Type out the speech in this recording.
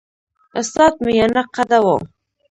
استاد میانه قده وو.